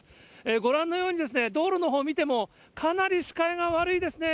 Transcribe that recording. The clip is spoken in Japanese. ご覧のようにですね、道路のほう見ても、かなり視界が悪いですね。